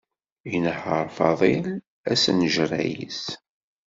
Inehheṛ Faḍil asinjerray-is.